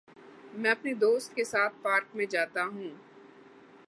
میں اپنے دوست کے ساتھ پارک میں جاتا ہوں۔